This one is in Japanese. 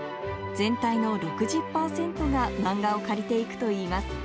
全体の６０％が漫画を借りていくといいます。